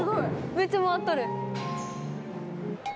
めっちゃ回っとる。